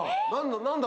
何だ？